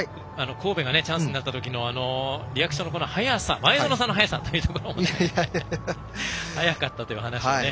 神戸がチャンスになったときのリアクションの前園さんの早さも早かったという話もね。